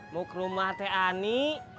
mau ke rumah teh ani